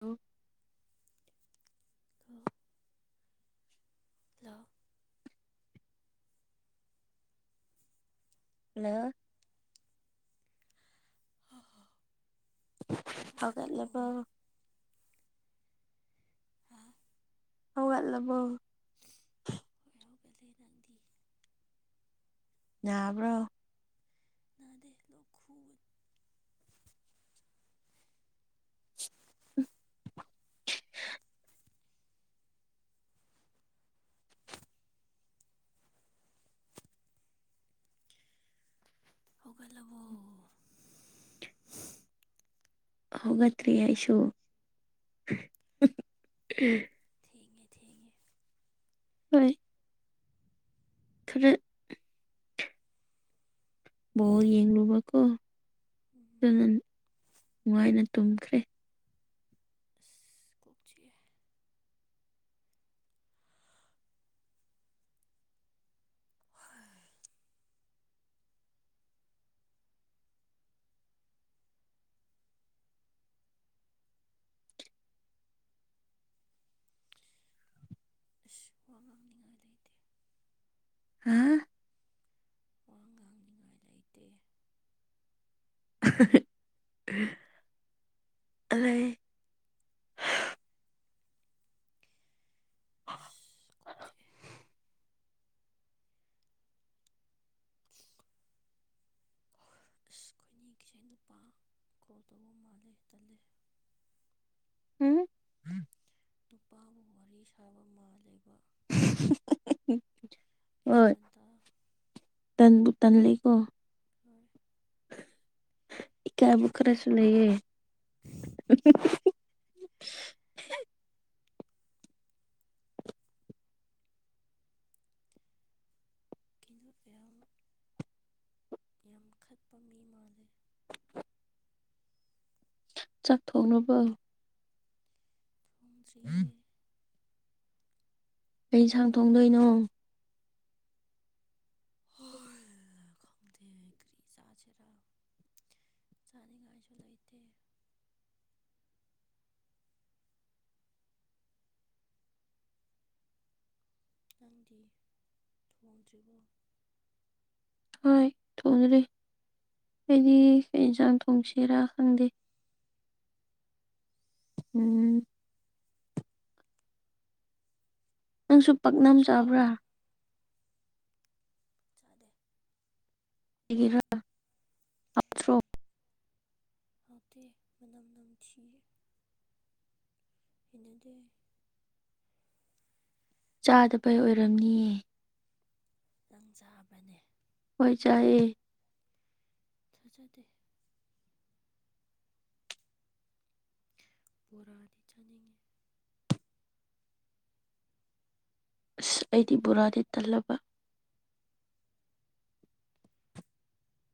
ꯑꯣ ꯊꯥ ꯂꯣ ꯍꯜꯂꯣ ꯍꯥꯍꯥ ꯍꯧꯒꯠꯂꯕꯣ ꯍꯥꯥ ꯍꯧꯒꯠꯂꯕꯣ ꯍꯧꯒꯠꯂꯦ ꯅꯪꯗꯤ꯫ ꯅꯥꯕ꯭ꯔꯣ꯫ ꯅꯥꯗꯦ ꯂꯣꯛ ꯈꯨꯕ ꯍꯧꯒꯠꯂꯕꯣ ꯍꯧꯒꯇ꯭ꯔꯤ ꯑꯩꯁꯨ ꯊꯦꯡꯉꯦ ꯊꯦꯡꯉꯦ꯫ ꯍꯣꯏ ꯈꯔ ꯕꯣꯜ ꯌꯦꯡꯂꯨꯕꯀꯣ ꯎꯝ ꯅꯨꯡꯉꯥꯏꯅ ꯇꯨꯝꯈ꯭ꯔꯦ꯫ ꯀꯣꯛ ꯆꯤꯛꯑꯦ꯫ ꯑꯁ ꯋꯥ ꯉꯥꯡꯅꯤꯡꯉꯥꯏ ꯂꯩꯇꯦ꯫ ꯍꯥ ꯋꯥ ꯉꯥꯡꯅꯤꯡꯉꯥꯏ ꯂꯩꯇꯦ꯫ ꯑꯍ ꯍ ꯑ ꯂꯩ [inaudible] ꯑꯈꯣꯏꯅꯤꯒꯤꯁꯦ ꯅꯨꯄꯥ ꯀꯣꯜ ꯇꯧꯕ ꯃꯥꯜꯂꯦ ꯇꯜꯂꯦ꯫ [unintelligible] ꯅꯨꯄꯥꯕꯨ ꯋꯥꯔꯤ ꯁꯥꯕ ꯃꯥꯜꯂꯦꯕ꯫ [unintelligible] ꯑꯌꯨꯛ ꯉꯥꯟꯇ꯫ ꯇꯥꯟꯕꯨꯇꯥꯟꯂꯤ ꯀꯣ꯫ ꯍꯣꯏ꯫ ꯏꯀꯥꯏꯕ ꯈꯔꯁꯨ ꯂꯩꯌꯦ꯫ ꯀꯩꯅꯣꯒꯤꯔꯕ꯫ ꯌꯥꯝ ꯈꯠꯄ ꯃꯤ ꯃꯥꯜꯂꯦ꯫ ꯆꯥꯛꯊꯣꯡꯉꯥꯕꯣ꯫ ꯊꯣꯡꯗꯔꯤꯌꯦ꯫ ꯀꯩ ꯏꯟꯁꯥꯡ ꯊꯣꯡꯗꯣꯏꯅꯣ꯫ ꯈꯪꯗꯦ ꯀꯔꯤ ꯆꯥꯁꯤꯔ꯫ ꯆꯥꯅꯤꯡꯉꯥꯏꯁꯨ ꯂꯩꯇꯦ꯫ ꯅꯪꯗꯤ ꯊꯣꯡꯗ꯭ꯔꯤꯕꯣ꯫ ꯍꯣꯏ ꯊꯣꯡꯗꯔꯤ꯫ ꯑꯩꯗꯤ ꯀꯩ ꯌꯦꯟꯁꯥꯡ ꯊꯣꯡꯁꯤꯔꯥ ꯈꯪꯗꯦ꯫ ꯎꯝ꯫ ꯅꯪꯁꯨ ꯄꯛꯅꯝ ꯆꯥꯕ꯭ꯔꯥ꯫ ꯆꯥꯗꯦ꯫ ꯀꯩꯒꯤꯔ꯫ ꯍꯥꯞꯇꯦ ꯃꯅꯝ ꯅꯝꯊꯤꯌꯦ꫰꫰ ꯍꯩꯅꯗꯦ꯫ ꯆꯥꯗꯕꯩ ꯑꯣꯏꯔꯝꯅꯤꯌꯦ꯫ ꯅꯪ ꯆꯥꯕꯔꯅꯦ꯫ ꯍꯣꯏ ꯆꯥꯏꯌꯦ꯫ ꯊꯥꯖꯗꯦ꯫ ꯕꯣꯔꯥꯗꯤ ꯆꯥꯅꯤꯡꯉꯦ꯫ ꯑꯁ ꯑꯩꯗꯤ ꯕꯣꯔꯥꯗꯤ ꯇꯜꯂꯕ꯫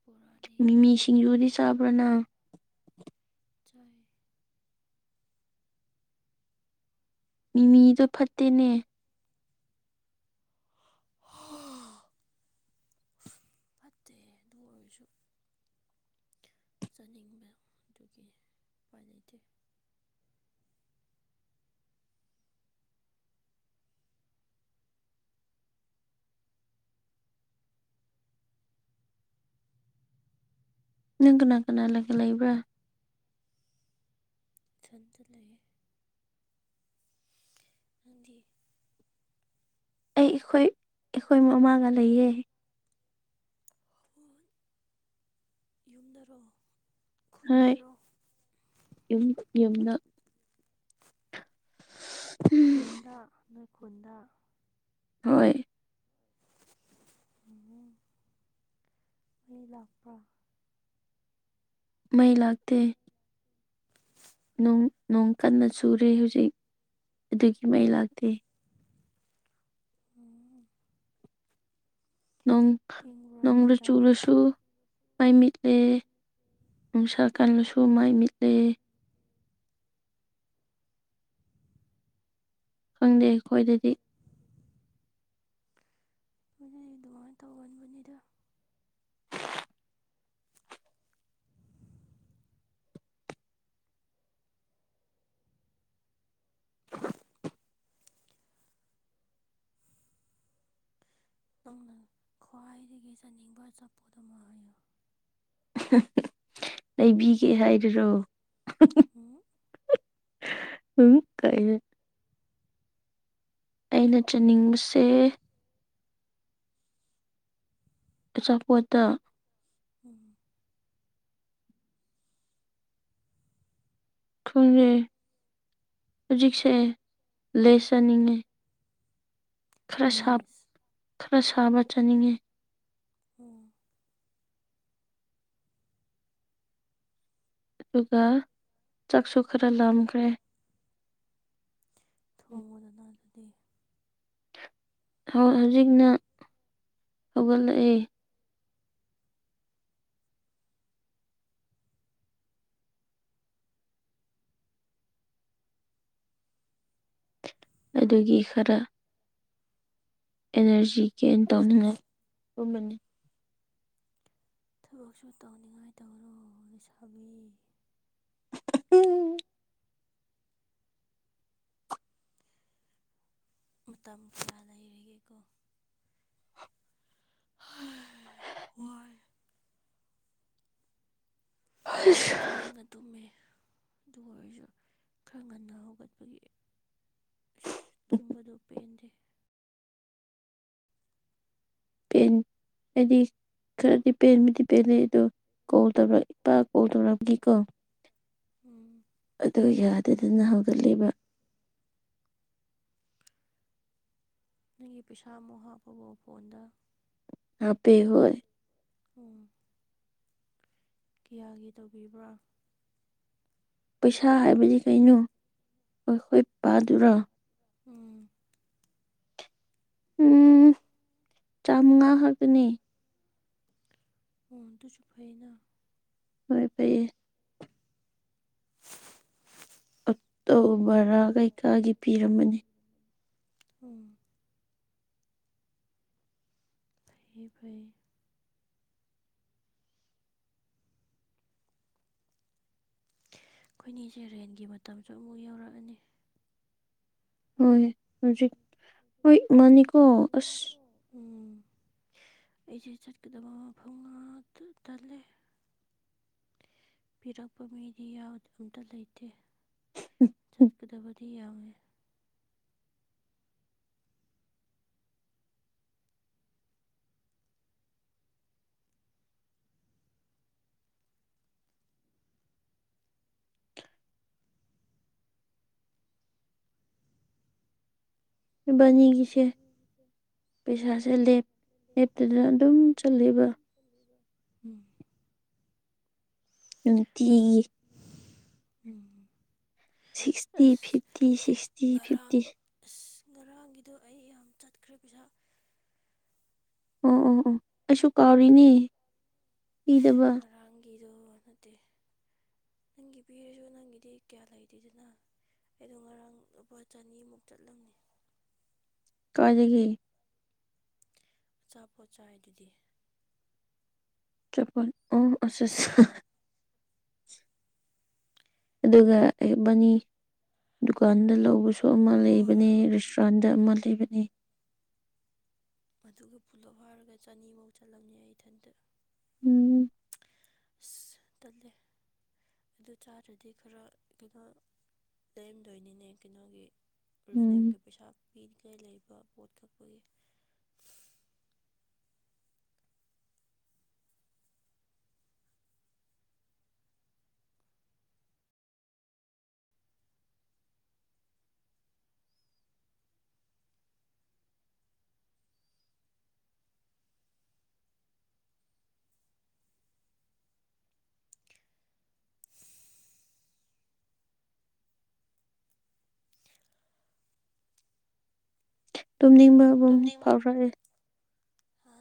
ꯕꯣꯔꯥꯗꯤ ꯌꯥꯝ ꯆꯥꯅꯤꯡꯉꯦ꯫ [unintelligible] ꯆꯥꯌꯦ꯫ ꯃꯤ ꯃꯤꯗꯣ ꯐꯠꯇꯦꯅꯦ꯫ ꯐꯠꯇꯦ ꯑꯗꯨ ꯑꯣꯏꯔꯁꯨ꯫ ꯆꯥꯅꯤꯡꯕ ꯑꯗꯨꯒꯤ ꯎꯄꯥꯏ ꯂꯩꯇꯦ꯫ ꯅꯪ ꯀꯥꯅꯥ ꯀꯥꯅꯥ ꯂꯒ ꯂꯩꯥꯏꯕ꯭ꯔꯥ꯫ ꯏꯊꯟꯇ ꯂꯩꯌꯦ꯫ ꯅꯪꯗꯤ꯫ ꯑꯩ ꯑꯩꯈꯣꯏ ꯑꯩꯈꯣꯏ ꯃꯃꯥꯒ ꯂꯩꯌꯦ꯫ [unintelligible] ꯌꯨꯝꯗꯔꯣ꯫ ꯍꯥꯏ ꯌꯨꯝ ꯌꯨꯝꯗ꯫ ꯈꯨꯨꯟꯗꯥ ꯅꯣꯏ ꯈꯨꯟꯗꯥ꯫ ꯍꯣꯏ꯫ ꯎꯝ ꯃꯩ ꯂꯥꯛꯄ꯭ꯔꯥ꯫ ꯃꯩ ꯂꯥꯛꯇꯦ꯫ ꯅꯣꯡ ꯅꯣꯡ ꯀꯟꯅ ꯆꯨꯔꯦ ꯍꯧꯖꯤꯛ ꯑꯗꯨꯒꯤ ꯃꯩ ꯂꯥꯛꯇꯦ꯫ ꯎꯝ꯫ ꯅꯣꯡ ꯅꯣꯡꯂꯤꯛ ꯆꯨꯔꯁꯨꯨ꯫ ꯃꯥꯏ ꯃꯤꯠꯂꯦ ꯅꯨꯡꯁꯥ ꯀꯥꯟꯜꯂꯁꯨ ꯃꯥꯏ ꯃꯤꯠꯂꯦ ꯈꯪꯗꯦ ꯑꯩꯈꯣꯏꯗꯗꯤ ꯑꯗꯨꯅꯗꯤ ꯑꯗꯨꯃꯥꯏꯅ ꯇꯧꯒꯟꯕꯅꯤꯗ ꯅꯪꯅ ꯈ꯭ꯋꯥꯏꯗꯒꯤ ꯆꯥꯅꯤꯡꯕ ꯑꯆꯥꯄꯣ ꯑꯗꯨ ꯑꯃ ꯍꯥꯏꯌꯨ ꯂꯩꯕꯤꯒꯦ ꯍꯥꯏꯔꯔꯣ ꯎꯝ ꯀꯥꯏꯅꯦ ꯑꯩꯅ ꯆꯅꯤꯡꯕꯁꯦ ꯑꯆꯥꯄꯣꯠꯇ ꯎꯝ ꯈꯣꯡꯖꯦ ꯍꯧꯖꯤꯛꯁꯦ ꯂꯦ ꯆꯅꯤꯡꯉꯦ ꯈꯔ ꯈꯔ ꯁꯥꯕ ꯆꯥꯅꯤꯡꯉꯤ ꯑꯣꯝ ꯑꯗꯨꯒ ꯆꯥꯛꯁꯨ ꯈꯔ ꯂꯈ꯭ꯔꯦ ꯊꯣꯡꯉꯨꯗꯅ ꯑꯗꯨꯗꯤ ꯍꯧꯖꯤꯛꯅ ꯍꯧꯒꯠꯂꯛꯏ ꯑꯗꯨꯒꯤ ꯈꯔ ꯑꯦꯅꯔꯖꯤ ꯒꯦꯟ ꯇꯧꯅꯅꯒꯨꯝꯕꯅꯤ ꯊꯕꯛꯁꯨ ꯇꯧꯅꯤꯡꯉꯥꯏ ꯇꯧꯅꯣ ꯂꯩꯁꯥꯕꯤ ꯎꯝ ꯃꯇꯝ ꯈꯔ ꯂꯩꯔꯤꯒꯦꯀꯣ ꯍꯣꯏ ꯑꯩꯁꯨ ꯊꯦꯡꯅ ꯇꯨꯝꯃꯦ ꯑꯗꯨꯒ ꯑꯣꯏꯔꯁꯨ ꯈꯔ ꯉꯟꯅ ꯍꯧꯒꯠꯄꯒꯤ ꯇꯨꯝꯝꯕꯗꯨ ꯄꯦꯟꯗꯦ ꯄꯦꯟ ꯑꯩꯗꯤ ꯈꯔꯗꯤ ꯄꯦꯟꯕꯨꯗꯤ ꯄꯦꯟ ꯂꯩꯩ ꯑꯗꯣ ꯀꯣꯜ ꯇꯧꯔꯒ ꯏꯄꯥꯛ ꯑꯣ ꯇꯧꯔꯒꯤ ꯀ [inaudible] ꯎꯝ ꯑꯗꯨ ꯌꯥꯗꯗꯅ ꯍꯧꯒꯠꯂꯤꯕ ꯅꯪꯒꯤ ꯄꯩꯁꯥ ꯑꯃꯨꯛ ꯍꯥꯞꯄꯕꯣ ꯐꯣꯟꯗ ꯍꯥꯄꯦ ꯍꯣꯏ ꯑꯣ ꯀꯌꯥꯒꯤ ꯇꯧꯕꯤꯕ꯭ꯔꯥ ꯄꯩꯁꯥ ꯍꯥꯏꯕꯗꯤ ꯀꯩꯅꯣ ꯑꯩꯈꯣꯏ ꯄꯥꯗꯨꯔꯥ ꯎꯝ ꯎꯝ ꯆꯥꯃꯉꯥ ꯈꯛꯇꯅꯤ ꯑꯣ ꯑꯗꯨꯁꯨ ꯐꯥꯏꯅ ꯍꯣꯏ ꯐꯩꯌꯦ ꯑꯣꯇꯣ ꯕꯔꯥ ꯀꯩꯀꯥꯒꯤ ꯄꯤꯔꯝꯕꯅꯤ ꯑꯣ ꯐꯩ ꯐꯩ ꯑꯩꯈꯣꯏꯅꯤꯁꯦ ꯔꯦꯟꯒꯤ ꯃꯇꯝꯁꯨ ꯑꯃꯨꯛ ꯌꯧꯔꯛꯑꯅꯤ ꯍꯣꯏ ꯍꯧꯖꯤꯛ ꯍꯣꯏ ꯃꯥꯅꯤꯀꯣ ꯑꯁ ꯑꯩꯁꯨ ꯆꯠꯀꯗꯕ ꯃꯐꯝ ꯉꯥꯛ ꯇꯜꯂꯦ ꯄꯤꯔꯛꯄ ꯃꯩꯗꯤ ꯌꯥꯎꯗꯥ ꯑꯝꯇ ꯂꯩꯇꯦ ꯆꯠꯀꯗꯕꯗꯤ ꯌꯥꯎꯏ ꯏꯕꯅꯤ ꯒꯤꯁꯦ ꯄꯩꯁꯥꯁꯦ ꯂꯦꯞ ꯂꯦꯞꯇꯦꯗ ꯑꯗꯨꯝ ꯆꯠꯂꯦꯕ ꯎꯕꯤꯕ [unintelligible] ꯎꯝ ꯅꯨꯡꯇꯤꯒꯤ ꯎꯝ ꯁꯤꯛꯁꯇꯤ ꯐꯤꯐꯇꯤ ꯁꯤꯛꯁꯇꯤ ꯐꯤꯐꯇꯤ ꯑꯁ ꯉꯔꯥꯡꯒꯤꯗꯣ ꯑꯩ ꯌꯥꯝ ꯆꯠꯈ꯭ꯔꯦ ꯄꯩꯁꯥ ꯑꯣ ꯑꯣ ꯑꯣ ꯑꯩꯁꯨ ꯀꯥꯎꯔꯤꯅꯤ ꯄꯤꯗꯕ ꯉꯔꯥꯡꯒꯤꯗꯣ ꯅꯠꯇꯦ ꯅꯪꯒꯤ ꯄꯤꯔꯁꯨ ꯅꯪꯒꯤꯗꯤ ꯀꯌꯥ ꯂꯩꯇꯦꯗꯅ ꯑꯩꯗꯣ ꯉꯔꯥꯡ ꯂꯨꯄꯥ ꯆꯅꯤꯃꯨꯛ ꯆꯠꯂꯝꯅꯤ ꯀꯥꯏꯗꯒꯤ ꯑꯆꯥꯄꯣꯠ ꯆꯥꯏ ꯑꯗꯨꯗꯤ ꯆꯄꯣꯠ ꯑꯣ ꯑꯁꯥꯆꯥ ꯑꯗꯨꯒꯕꯥꯅꯤ ꯗꯨꯀꯥꯟꯗ ꯂꯧꯕꯁꯨ ꯑꯃ ꯂꯩꯕꯅꯦ ꯔꯦꯁꯇꯨꯔꯥꯟꯗ ꯑꯃ ꯂꯩꯕꯅꯦ ꯑꯗꯨꯒꯗꯨ ꯄꯨꯂꯞ ꯍꯥꯏꯔꯒ ꯆꯅꯤꯐꯧ ꯆꯠꯂꯝꯅꯤ ꯑꯩ ꯏꯊꯟꯇ ꯎꯝ ꯑꯁ ꯇꯜꯂꯦ ꯑꯗꯨ ꯆꯥꯗ꯭ꯔꯗꯤ ꯈꯔ ꯀꯩꯅꯣ ꯂꯩꯔꯝꯗꯣꯏꯅꯤꯅꯦ ꯀꯩꯅꯣꯒꯤ ꯑꯣꯔꯤꯐ꯭ꯂꯦꯝꯒꯤ ꯄꯩꯁꯥ ꯄꯤꯔꯤꯉꯩ ꯂꯩꯕ ꯄꯣꯠ ꯀꯛꯄꯒꯤ ꯇꯨꯝꯅꯤꯡꯕ ꯑꯗꯨꯝ ꯐꯥꯎꯔꯛꯑꯦ ꯍꯥ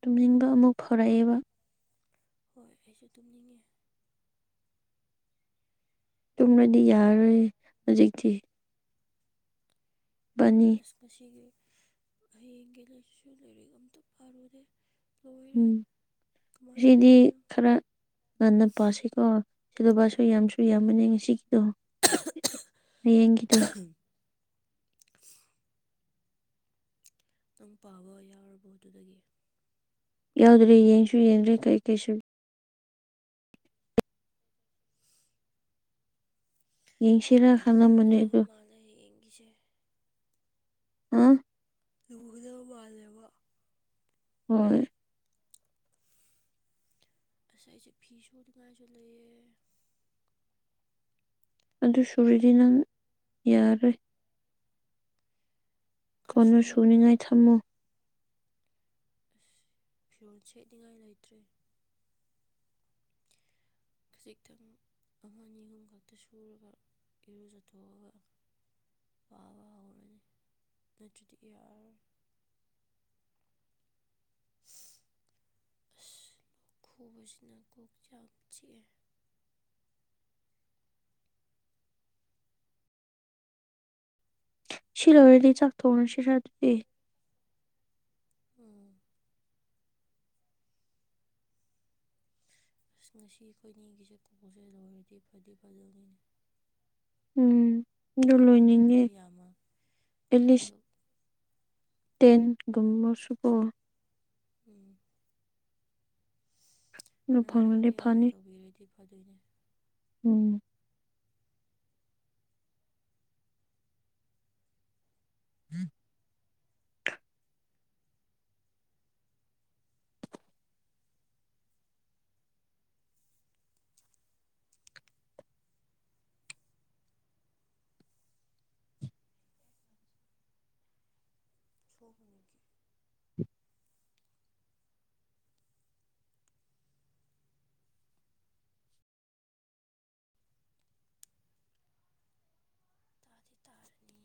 ꯇꯨꯝꯅꯤꯡꯕ ꯑꯃꯨꯛ ꯐꯥꯎꯔꯛꯑꯦꯕ ꯍꯣꯏ ꯑꯩꯁꯨ ꯇꯨꯝꯅꯤꯡꯉꯦ ꯇꯨꯝꯃꯗꯤ ꯌꯥꯔꯣꯏ ꯍꯧꯖꯤꯛꯇꯤ ꯑꯁ ꯉꯁꯤꯒꯤ ꯍꯌꯦꯡꯒꯤ ꯂꯥꯏꯁꯨ ꯂꯥꯏꯔꯤꯛ ꯑꯝꯇ ꯄꯥꯔꯨꯗꯦ ꯍꯔ [inaudible] ꯁꯤꯗꯤ ꯈꯔ ꯉꯟꯅ ꯄꯥꯁꯤꯀꯣ ꯁꯤꯂꯦꯕꯥꯁꯁꯨ ꯌꯥꯝ ꯌꯥꯝꯕꯅꯦ ꯉꯁꯤꯒꯤꯗꯣ ꯍꯌꯦꯡꯒꯤꯗꯣ ꯅꯪ ꯄꯥꯕ ꯌꯥꯎꯔꯕꯣ ꯑꯗꯨꯗꯒꯤ ꯌꯥꯎꯗ꯭ꯔꯔꯤ ꯌꯦꯟꯁꯨ ꯌꯦꯟ꯭ꯔꯔꯤ ꯀꯩ ꯀꯩꯁꯨ ꯌꯦꯡꯁꯤꯔ ꯎꯔꯨꯒꯗꯕ ꯃꯥꯜꯂꯦ ꯍꯌꯦꯡꯒꯤꯁꯦ ꯑ ꯂꯨꯒꯗꯕ ꯃꯥꯜꯂꯦꯕ ꯑꯣ ꯉꯁ ꯑꯩꯁꯦ ꯐꯤ ꯁꯨꯠꯅꯤꯡꯉꯥꯏꯁꯨ ꯂꯩꯑ ꯑꯗꯨ ꯁꯨꯔꯗꯤ ꯅꯪ ꯌꯥꯔꯣꯏ ꯀꯅ ꯁꯨꯅꯤꯡꯉꯥꯏ ꯊꯝꯃꯨ ꯑꯁ ꯐꯤꯔꯣꯟꯜ ꯁꯦꯠꯅꯤꯉꯥꯏ ꯂꯩꯇ꯭ꯔꯦ ꯈꯖꯤꯛꯇꯪ ꯑꯃ ꯑꯅꯤ ꯑꯍꯨꯝ ꯈꯛꯇ ꯁꯨꯔꯒ ꯏꯔꯨꯖꯊꯣꯛꯑꯒ ꯋꯥꯕ ꯍꯧꯔꯅꯤ ꯅꯠꯇ꯭ꯔꯗꯤ ꯏꯌꯥꯔ ꯑ ꯈꯨꯕꯁꯅꯅꯥ ꯀꯨ ꯆꯞ ꯆꯦ ꯁꯤ ꯂꯣꯏꯔꯗꯤ ꯆꯥꯛ ꯊꯣꯡꯅ ꯁꯤ ꯁꯥꯗꯦ ꯑꯣꯝ ꯑꯁ ꯉꯁꯤ ꯑꯩꯈꯣꯏꯅꯤꯒꯤꯁꯦ ꯀꯣꯛꯁꯦ ꯂꯣꯏꯔꯗꯤ ꯐꯗꯤ ꯐꯗꯧꯒꯤꯅꯤ ꯎꯝ ꯑꯗꯨ ꯂꯣꯏꯅꯤꯡꯉꯦ ꯑꯦꯠꯂꯤꯁ ꯇꯦꯟꯒꯨꯝꯕ ꯁꯀꯣꯛꯑꯣ ꯎꯝ ꯅꯅꯥꯪꯗꯣ ꯈꯔ ꯌꯥꯝꯅ ꯇꯧꯕꯤꯔꯗꯤ ꯐꯗꯣꯏꯅꯦ ꯎꯝ ꯍꯝ ꯁꯣꯅꯤꯒꯤ ꯇꯥꯗꯤ ꯇꯥꯔꯅꯤ